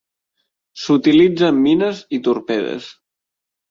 S'utilitza en mines i torpedes.